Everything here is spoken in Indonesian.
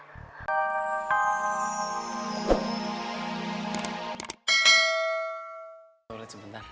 ke toilet sebentar